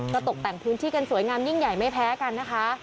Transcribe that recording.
ก็ตกแต่งพื้นที่กันสวยงามยิ่งใหญ่ไม่แพ้กันนะคะ